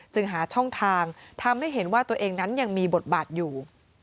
หาช่องทางทำให้เห็นว่าตัวเองนั้นยังมีบทบาทอยู่